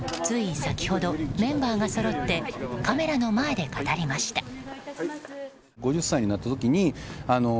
つい先ほど、メンバーがそろってカメラの前で語りました。